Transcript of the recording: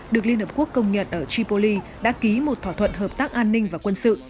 được liên hợp quốc công nhận ở tripoli đã ký một thỏa thuận hợp tác an ninh và quân sự